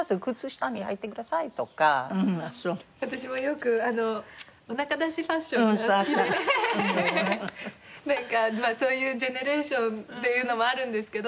私もよくお腹出しファッションが好きでなんかそういうジェネレーションっていうのもあるんですけど